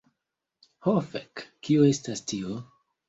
Ho fek, kio estas tio?